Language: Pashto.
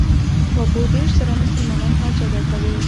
کابو دېرش زره مسلمانان حج ادا کوي.